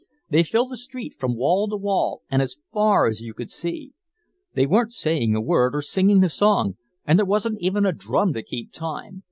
They filled a street from wall to wall and as far as you could see. They weren't saying a word or singing a song, and there wasn't even a drum to keep time.